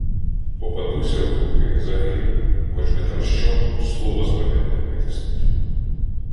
Попадуся в руки — загину, хоч би там що — слова з мене не витиснуть.